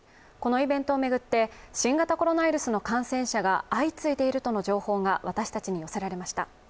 このイベントを巡って、新型コロナウイルスの感染者が相次いでいるとの情報が私たちに寄せられました。